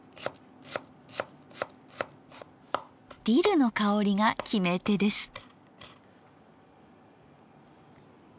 ディルの香りが決め手です。